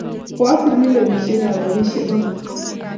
Koasir milionisiekab robisiek amut